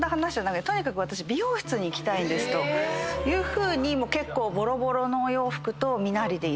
「とにかく私美容室に行きたいんです」というふうに結構ぼろぼろのお洋服と身なりでいらした。